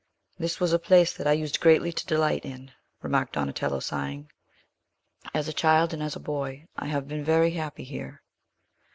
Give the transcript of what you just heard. "This was a place that I used greatly to delight in," remarked Donatello, sighing. "As a child, and as a boy, I have been very happy here."